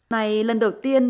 này lần đầu tiên